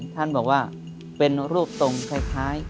ท่านบอกว่าเป็นรูปตรงคล้าย